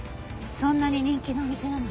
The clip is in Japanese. そんなに人気のお店なの？